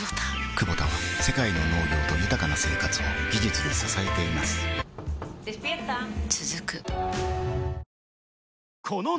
クボタは世界の農業と豊かな生活を技術で支えています起きて。